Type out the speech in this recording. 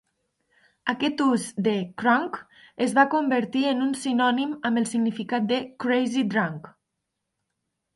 Aquest ús de "crunk" es va convertir en un sinònim amb el significat de "crazy drunk".